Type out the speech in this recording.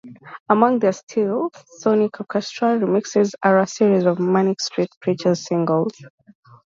Among their Stealth Sonic Orchestra remixes are a series of Manic Street Preachers singles.